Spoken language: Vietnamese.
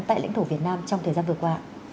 tại lãnh thổ việt nam trong thời gian vừa qua